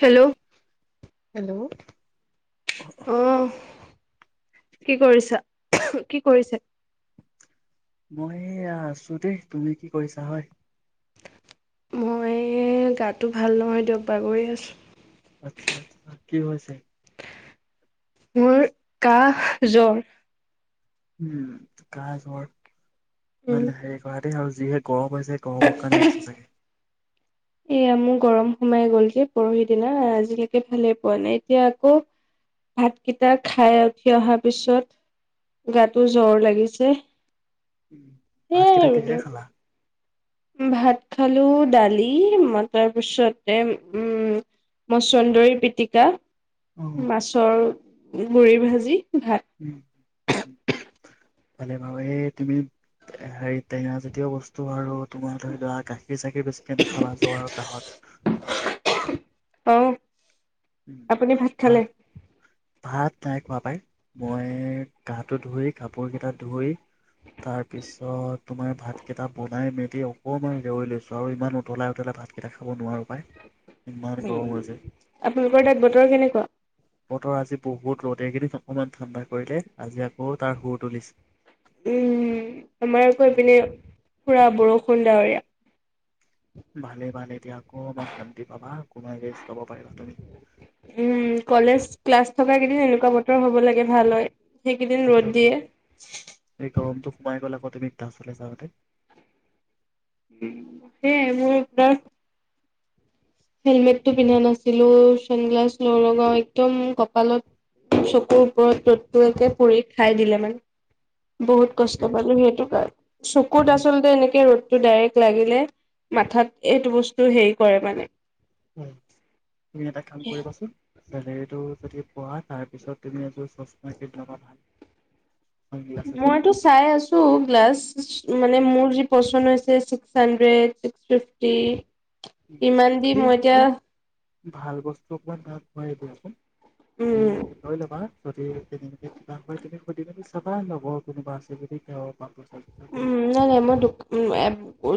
Hello অ hello কি কৰিছা, কি কৰিছে? মইয়া আছোঁ দেই, তুমি কি কৰিছা হয়? মই গাতটো ভাল নহয় দিয়ক বাগৰি আছোঁ। আচ্ছা আচ্ছা কি হৈছে? মোৰ কাহ জ্বৰ। উম, কাহ জ্বৰ। উম মানে সেই কৰাত তে আৰু যিহে গৰম [inaudible] যে গৰমৰ কাৰণে হৈছে চাগে। এয়া মোৰ গৰম সোমাই গ'ল যে পৰহি দিনা আজিলৈকে ভালে পোৱা নাই এতিয়া আকৌ ভাতকেইটা খাই উঠি অহাৰ পিছত গাটো জ্বৰ লাগিছে। উম সেয়াই ভাতকেইটা আৰু কিহে দিয়ক খালা? ভাত খালো দালি তাৰ পিছতে উম মচন্দৰী পিটিকা অ মাছৰ গুৰি ভাজি উম, ভাত। ভালে বাৰু এই তুমি হেৰি টেঙাজাতীয় বস্তু আৰু তোমাৰ ধৰি লোৱা গা খীৰ-চাখীৰ বেছিকে নাখাবা জ্বৰ আৰু কাঁহত আহ আপুনি ভাত খালে ভাত নাই খোৱা পাই ।মই গাটো ধুই, কাপোৰ কেইটা ধুই তাৰ পিছত তোমাৰ ভাত কেইটা বনাই মেলি অকমান [unintelligible] লৈছো আৰু ইমান উতলাই উতলাই ভাত কেইট খাব নোৱাৰো পায়, ইমান গৰম হৈ আছে আপোনালোকৰ তাত বতৰ কেনেকুৱা? বতৰ আজি বহুত ৰ'দ। এই কেদিন অকমান ঠাণ্ডা কৰিলে আজি আক্ উম, আমাৰ আকৌ এইপিনে পোৰা বৰষুণ ডাৱৰীয়া ভালে ভালে দিয়া শান্তি পাবা [unintelligible] তুমি। উম কলেজ ক্লাছ থকা কেইদিননো বতৰ হ'ব লাগে ভাল হয়। সেইকেইদিন ৰ'দ সেইটো হয়, দিয়ে, এই গৰমটো সোমাই গ'লে আকৌ তুমি ক্লাছলৈ যাওঁতে সেয়াই মোৰ হেলমেটটো পিন্ধা নাছিলো, ছানগ্লাছ নলগাও একদম কপালত, চকুৰ ওপৰত ৰ'দটো একে পৰি খাই দিলে মানে বহুত গতিকে কষ্ট পালো সেইটো কাৰ চকুত তুমি আচলতে এনেকে ৰ'দটো ডাইৰেক্ট লাগিলে মাথাত এইটো বস্তু হেৰি কৰে মানে তুমি এটা কাম কৰিবাচোন, চেলেৰিটো যদি পোৱা তাৰপিছত তুমি এযোৰ চশমা কিনি ল'বা ভাল চানগ্লাছ এযোৰ। মইটো চাই আছো গ্লাছ, মানে মোৰ যি পচন্দ হৈছে ছিক্স হা হান্দ্ৰেদ, ছিক্স ফিফটি ইমান দি সেই মই এতিয়া ভাল বস্তু ময়ে দি আছোঁ তুমি উম লৈ ল'বা যদি কিবাকৈ তুমি সুধি মেলি চাবা লগৰ কোনোবা আছে বুলি উম নাই নাই মই দোক ও এব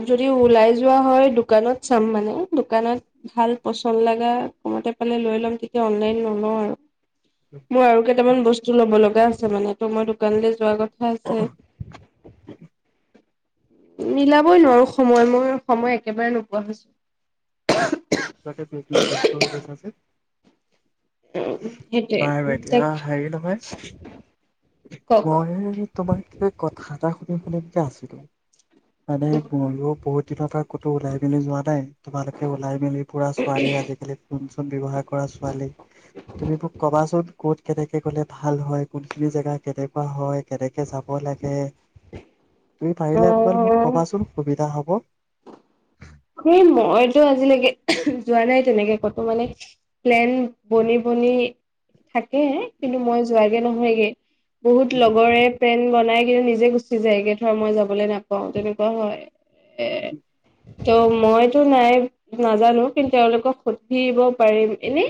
যদিওঁ ওলাই যোৱা হয় দোকানত চাম মানে, দোকানত ভাল পচন্দ লাগা কমতে পালে লৈ ল'ম, তেতিয়া অনলাইন নলওঁ আৰু মোৰ আৰু কেইটামান বস্তু ল'ব লগা আছ মানেতো মই দোকানলৈ যোৱাৰ আগত [unintelligible] মিলাবই নোৱাৰো সময়। মই সময় একেবাৰে নোপোৱা হৈছো। তাকে টো তুমি ব্যস্ত হৈ গৈছা যে। অ' বাৰু এতিয়া হেৰি সেইটোৱে নহয় তাকে মই তোমাক এটা কথা এটা শুধু। ফালেতি [unintelligible] আছিলো। মানে মইয়ো বহুত দিনৰ পৰা ক'তো ওলাই মেলি যোৱা নাই তোমালোকে ওলাই মেলি পুৰা ছোৱালী আজিকালি ফোন চোন ব্যৱহাৰ কৰা ছোৱালী তুমি মোক কবাচোন। ক'ত কেনেকে গ'লে ভাল হয় কোন খিনি জেগা কেনেকুৱা হয়? কেনেকে যাব লাগে। তুমি পাৰিলে অকণমান মোক অ কবাচোন সুবিধা হ'ব। সেই মইতো আজিলৈকে যোৱা নাই তেনেকে ক'তো মানে, প্লেন বনি বনি থাক কে কিন্তু মই যোৱাগে নহয়গে, বহুত লগৰে প্লেন বনাই কিন্তু নিজে গুচি যায়গে, ধৰ মই যাবলে নাপাওঁ তেনেকুৱা হয়। এ ত' মইতো নাই নাজানো কিন্তু তেওঁলোকক সুধিব পাৰিম এনে,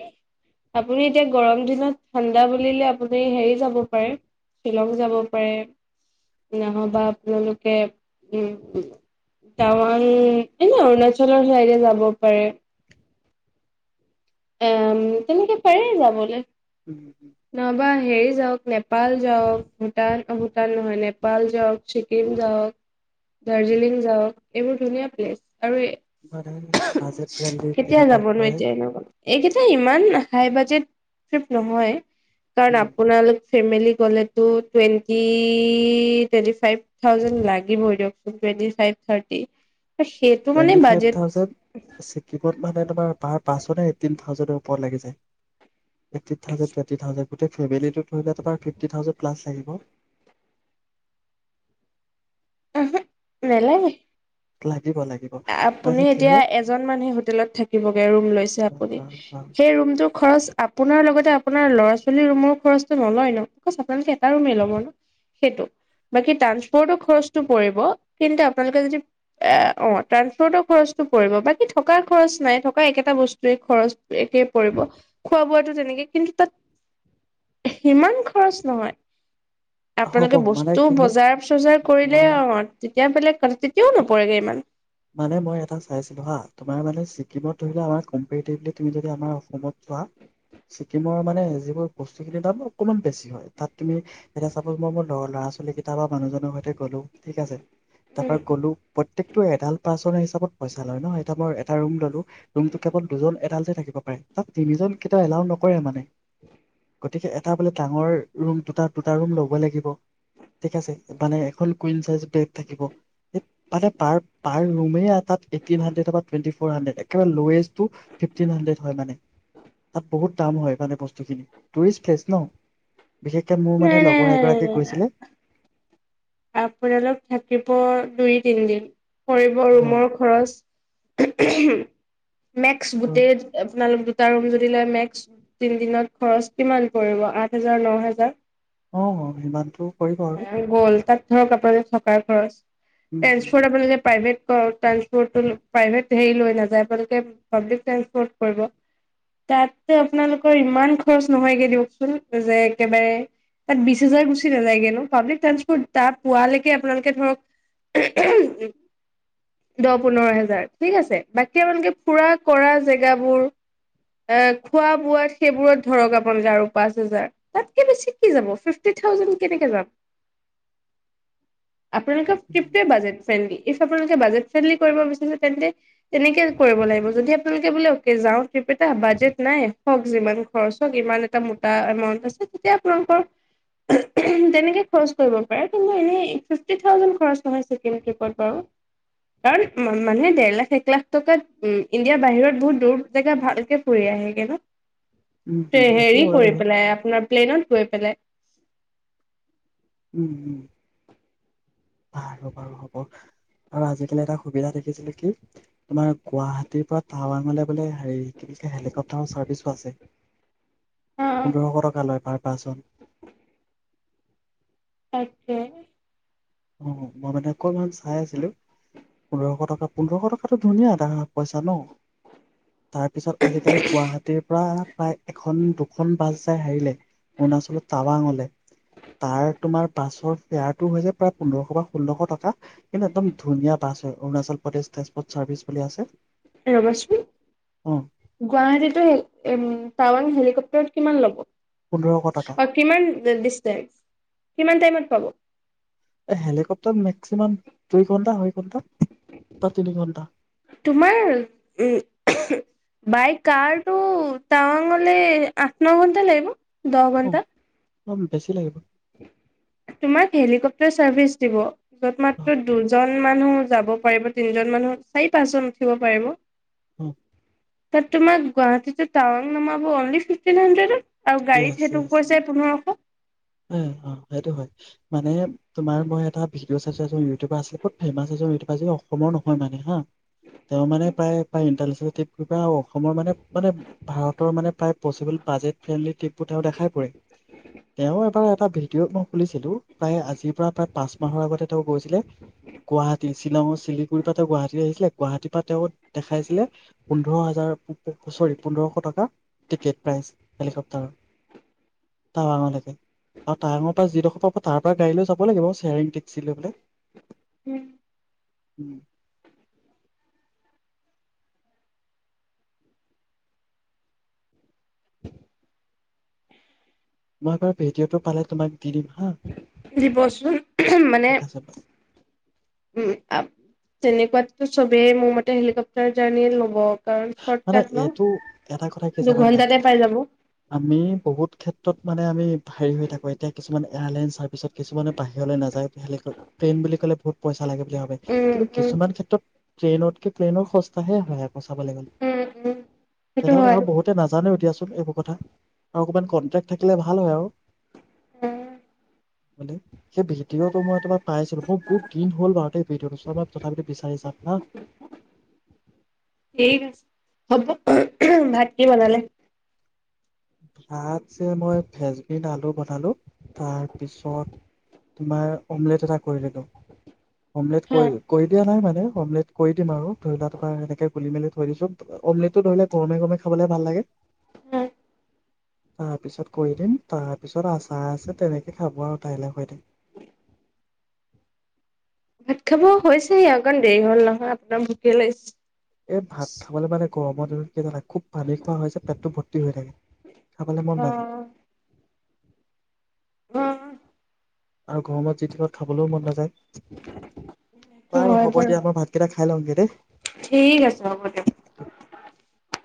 আপুনি এতিয়া গৰম দিনত ঠাণ্ডা বুলিলে আপুনি হেৰি যাব পাৰে, শ্বিলং যাব পাৰে নহ'বা আপোনালোকে উম, টাৱাং এনে অৰুণাচলৰ সেইয়াদে যাব পাৰে। এম, তেনেকে পাৰে যাবলৈ। ন'বা হেৰি যাওক নেপাল যাওক, ভূটান অ, ভূটান নহয় নেপাল যাওক, ছিকিম যাওক। দাৰ্জিলিং যাওক এইবোৰ ধুনীয়া [inaudible] আৰু মানে বাজেট ফ্ৰেণ্ডলি কেতিয়া কেনেকুৱা যাবনো? হয়। এতিয়া এনেকুৱ এইকেইটা ইমান নাখাই বাজেট ট্ৰিপ নহয়। কাৰণ আপোনালোক ফেমিলি গ'লেতো টুৱেন্টি, টুৱেন্টি ফাইভ থাউজেণ্ড লাগিবই দিয়কচোন twenty five, thirty. Twenty five thousand সহজতে ওপৰত লাগি যায়। এইটিন থাউজেণ্ড টুৱেণ্টি থাউজেণ্ড গোটেই ফেমিলিটোত তোমাৰ ফিফটি থাউচেণ্ড প্লচ্ লাগিব। উহো নেলাগে। লাগিব। লাগিব আপুনি মানে কি এতিয়া হয় এজন মানুহে হোটেলত থাকিবগে, ৰুম লৈছে আপুনি সেই ৰুমটো খৰচ আপোনাৰ লগতে আপোনাৰ ল'ৰা ছোৱালী ৰুমৰ খৰচটো নলয় ন'! আপোনালোকে এটা ৰুমেই ল'ব ন! বাকী ট্ৰানচপৰ্তৰ খৰচটো পৰিব কিন্তু আপোনালোকে যদি, অ' ট্ৰানসপৰ্টৰ খৰচটো পৰিব বাকী থকা খৰচ নাই। থকা একেটা বস্তুৱে খৰচ একেই পৰিব খোৱা বোৱাটো তেনেকে, কিন্তু তাত সিমান খৰচ নহয়। হ'ব আপোনালোকে মানে বস্তু কি হ'ল বজাৰ চজাৰ কৰিলে মই আৰু তেতিয়া হলে, তেতিয়াও নপৰেগৈ ইমান মানে মই এটা চাইছিলো হা, তোমাৰ মানে চিকিমট ধৰিলে আমাৰ কম্পেৰিটিভলি তুমি যদি আমাৰ অসমত যোৱা ছিকিমৰ মানে যিবোৰ বস্তুখিনি তাৰ অকণমান বেছি হয়, তাত তুমি এতিয়া চাপ'জ মই মোৰ ল'ৰা ছোৱালীকেইটা বা মানুহজনৰ সৈতে গ'লোঁ। ঠিক আছে তাৰ উম, পৰা গ'লো প্ৰত্য়েকটো এডাল ই লয় ন এ মই এটা ম ললো ৰুমটো কেৱল দুজন এডালতে থাকিব পাৰে, তাত তিনিজন কেতিয়াও এলাও নকৰে মানে গতিকে এটা বোলে ডাঙৰ ৰুম দু দুটা ৰুম লব লাগিব, ঠিক আছে মানে এখন কুইন চাইজ বেড থাকিব মানে পাৰ পাৰ ৰুমে তাত eighteen hundred twenty four hundred, একেবাৰে লৱেষ্টটো ফিফটিন হাড্ৰেড হয়। মানে তাত বহুত দাম হয় মানে বস্তুখিন টুৰিষ্ট প্লেচ ন! বিশেষক মোৰ, নাই মানে, নাই লগৰ নাই নাই এগৰাকীয়ে নাই কৈছিলে আপোনালোক থাকিব দুই-তিনিদিন পৰিব। অ ৰুমৰ খৰচ [inaudible] মেক্স গোটে আপোনালোক দুই দুটা ৰুম যদি লৈ, মেক্স তিনিদিনত খৰচ কিমান পৰিব? আঠ হাজাৰ ন, ন হাজাৰ? অ', অ', সিমানটো পৰিব আৰু গ'ল তাত ধৰক, আপোনালোক থকাৰ খৰচ উম ট্ৰেন্সপৰ্ট। আপোনালোকে প্ৰাইভেট কৈ ট্ৰেন্সপৰ্টও প্ৰাইভেট হেৰি লৈ নাযায়। আপোনালোকে পাব্লিক ট্ৰেন্সপৰ্ট কৰিব। তাতে আপোনালোকৰ ইমান খৰচ নহয়গে দিয়কচোন। যে, একেবাৰে তাত বিশ হাজাৰ গুচি নাযায়গে ন'। পাব্লিক ট্ৰেন্সপৰ্ট তাৰ পোৱালেকে আপোনালোকে, ধৰক, দহ-পোন্ধৰ হাজাৰ। ঠিক আছে। বাকী আপোনালোকে ফুৰা-কৰা জেগাবোৰ, আ, খোৱা-বোৱাত, সেইবোৰত ধৰক, আপোনালোকে আৰু পাঁচ হাজাৰ। তাতকে বেছি কি যাব? ফিফটি থাউজেণ্ড কেনেকে যাব? আপোনালোকৰ ট্ৰিপটোৱেই বাজেট-ফ্ৰেণ্ডলী। ইফ আপোনালোকে বাজেট-ফ্ৰেণ্ডলী কৰিব বিচাৰিছে, তেন্তে তেনেকে কৰিব লাগিব। যদি আপোনালোকে বোলে, অ'কে, যাওঁ ট্ৰিপ এটাত বাজেট নাই। হওক, যিমান খৰচ হওক। ইমান এটা মুটা এমাউণ্ট আছে। তেতিয়া আপোনালোকৰ তেনেকে খৰচ কৰিব পাৰে। কিন্তু এনে ফিফটি থাউজেণ্ড খৰচ নহয় চেকেণ্ড ট্ৰিপত বাৰু। কাৰণ মানুহে ডেৰ লাখ, এক লাখ টকাত ইণ্ডিয়াৰ বাহিৰত বহুত দূৰ জেগাত ভালকে ফুৰি আহেগে ন উম উম সেইটো হেৰি হয় কৰি বাৰু পেলাই। আপোনাৰ প্লেনত গৈ পেলাই উম, উম। বাৰু, বাৰু। হ'ব আৰু আজিকালি এটা সুবিধা দেখিছিলোঁ কি, তোমাৰ গুৱাহাটীৰ পৰা টাৱাঙলে বোলে হেৰি [unintelligible] হেলিকপ্টাৰৰ ওচৰত বিশাছে অ', পোন্ধৰশ টকা লয় ভাৰ পাচন তাকে অ', মই মানে অকমান চাই আছিলো পোন্ধৰশ টকা পোন্ধৰশ টকাটো ধুনীয়া এাৰ পইচা ন' তাৰ পিছত আজিকালি গুৱাহাটীৰ পৰা প্ৰায় এখন দুখন বাছ যাই হেৰিলে অৰুণাচলত টাৱাং অলে তাৰ তোমাৰ বাছৰ ফেয়াৰটো হৈছে। প্ৰায় পোন্ধৰশ বা ষোল্লশ টকা কিন্তু একদম ধুনীয়া বাছ হয় অৰুণাচল প্ৰদেশ ট্ৰান্চপৰ্ট চাৰ্ভিছ বুলি আছে। ৰ'বাচোন অ গুৱাহাটীতো টাৱান হেলিকপ কিমান ল'ব? পোন্ধৰশ টকা অ', কিমান ডিসটেন্ট? কিমান টাইমত হাব এই হেলিকপ্্তাৰ মেক্সিমাম দুই ঘন্টা দুই ঘণ্টা বা তিনি ঘণ্টা বাইক কাৰটো তাৱাংঙলে আঠ ন ঘণ্টা লাগিব দহ ঘণ্টা অম বেছি লাগিব তোমাক হেলিকপটাৰ চাৰ্ভিচ দিব য'ত অ মাত্ৰ দুজন মানুহ যাব পাৰিব তিনজন মানুহ চাৰি পাঁচজন উঠিব পাৰিব হম ত তোমাক গুৱাহাটীত টাউন নাব অি ফিফটিন হণ্ড্ৰেড আৰু গাড়ীত য়েছ সেইটো য়েছ কৈছে পোন্ধৰশ অ অ সেইটো হয় মানে তুমাৰ মই এটা ভিডিঅ' চাই চাই আছো ইউটিউব ত ফেমাছছে এইটোি অসমৰ নহয় মানে হা তেওঁ মানে প্ৰায় প্ৰায় ইণ্টষ্ট ঠিক কপা হ' অসমৰ মানে মানে ভাৰতৰ মানে প্ৰায় পচিবল বাজেট ট্ৰিপো তেওঁ দেখাই পৰে তেওঁ এটা ভিডিঅ' মই খুনিছিলো প্ৰায় আজিৰ পৰা প্ৰায় পাঁচ মাহৰ আগতে তেওঁ গৈছিলে গুৱাহাটী শ্বিলঙৰ শিলিগুৰিৰ পৰা তেওঁ গুৱাহাটী আহিছিলে গুৱাহাটীৰ পৰা তেওঁ দেখাইছিলে পোন্ধৰ হাজাৰ প চৰি পোন্ধৰশ টকা টিকেট প্ৰাইচ হেলিকপ্টাৰৰ টাৱাঙলৈকে আৰু টাৱঙৰ পৰা যিডোখৰ পাব তাৰ পৰা গাড়ী লৈ যাব লাগিব শ্বেয়াৰিং টেক্সি লৈ বোলে উম উম মইাৰ ভিডিঅ'টো পালে তোমাক দি দিম হা দিবচোন মানে ঠিক আছে উ তেনেক কাততো চবেই মোৰ মতে হেলিকপ্টাৰ জাৰ্ণীয়ে ল'ব কাৰণ চৰ্ট মানে কাট ন। এইটো এটা কথা কি জান নাই দুঘন্টাতে পাই যাব উম আমি বহুত ক্ষেত্ৰত মানে আমি হেৰি হৈ থাকো এতিয়া কিছুমান কিছমান এয়াৰাইনছাৰ্ভিচত কিছুমানে বাহিৰলৈ নাযায় তোহলেকে ট্ৰেইন বুলি ক'লে বহুত পইচা লাগে বুলি ভাবে কিন্তু উম কিছুমান ক্ষেত্ৰত ট্ৰন উঠ কে প্লেনৰ সচাে ল উম উম। সেইটো তেনেকা হয় আৰু বহুতে নাজানে উঠয়াছ এইবোৰ কথা আৰু অকমান কন্টেক্ থাকিলে ভাল হয় আৰু উম মানে সেই ভিডিঅ'টো মই তোমাৰ পাইছিলো মোৰ বহুত দিন হ'ল বাৰু সেই ভিঅ'টো মই তথাপিতো বিচাৰি চাম হা ঠিক আছে হ'ব, ভাত কি বনালে? ভাত যে মই ভেজবিন আলু বনালো তাৰপিছত তোমাৰ অমলেট এটা কৰি দিলোঁ। অমলেট হা কৈ কৈ দিয়া নাই মান অমলেট কৰি দিম আৰু ধৰি লোৱা তোমাৰ এনেকে গুলি মেলি থৈ দিছো অমলেটটো ধৰিলো গৰমে গৰমে খাবলে ভাল লাগে। উম। তাৰপিছত কৰি দিম তাৰপিছত আচাৰ আছে তেনেকে খাব আৰু তাইলৈ হৈ থাক হয়। ভাত খাব হৈছেই অকণ দেৰি হ'ল নহয়, আপোনাৰ ভোকে লাগছ এ, ভাত খাবলৈ মানে গৰমত [inaudible] কি জানা খুব পানী খোৱা যে পেটটো ভৰ্তি হৈ থাকে। খাবলৈ মন নাযায়। অ'। অ', আৰু গৰমত যি তি ধৰক খাবলৈও মন নাযায়। হয় হ'ব বাৰু দিয়া মই ভাতকেইটা খাই লওঁগে দেই ঠিক আছে, হ'ব দিয়ক।